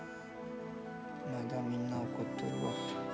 まだみんな怒っとるわ。